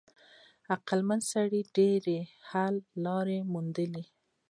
عقلمن انسان ډېرې حل لارې وموندلې.